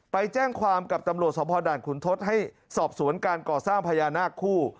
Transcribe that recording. ไปแจ้งความกับตำรวจสมพด่านขุนทศให้สอบสวนการก่อสร้างพญานาคคู่